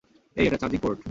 এই, এটা charging port.